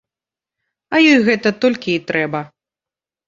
А ёй гэта толькі і трэба.